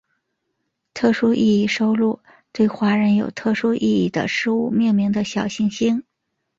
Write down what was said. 特殊意义收录对华人有特殊意义的事物命名的小行星。